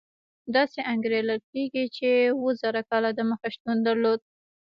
داسې انګېرل کېږي چې اوه زره کاله دمخه شتون درلود.